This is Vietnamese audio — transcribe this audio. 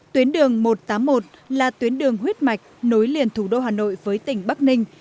tuyến đường một trăm tám mươi một là tuyến đường huyết mạch nối liền thủ đô hà nội với tỉnh bắc ninh